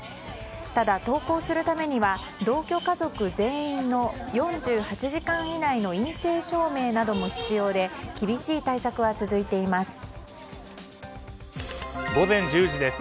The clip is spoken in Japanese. ただ、登校するためには同居家族全員の４８時間以内の陰性証明なども必要で厳しい対策は続いています。